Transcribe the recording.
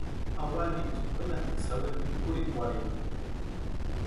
Awanicha wenatʼiksï jawiri pʼikurhikwarhini.